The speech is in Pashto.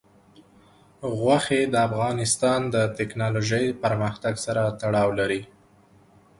غوښې د افغانستان د تکنالوژۍ پرمختګ سره تړاو لري.